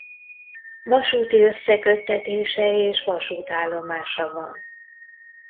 Vasúti összeköttetése és vasútállomása van.